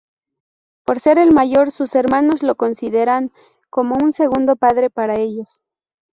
Por ser el mayor, sus hermanos lo consideran como un segundo padre para ellos.